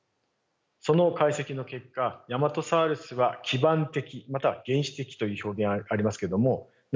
その解析の結果ヤマトサウルスは基盤的または原始的という表現ありますけどもな